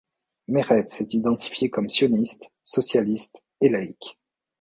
Meretz est identifié comme sioniste, socialiste et laïc.